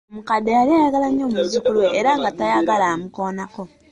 Omukadde yali ayagala nnyo muzzukulu we era nga tayagala amukoonako.